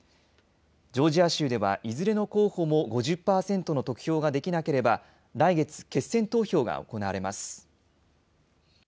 ジョージア州ではいずれの候補も５０％の得票ができなければ来月、決選投票が行われます。